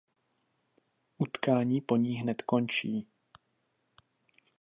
Utkání po ní hned končí.